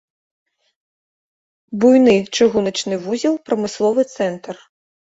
Буйны чыгуначны вузел, прамысловы цэнтр.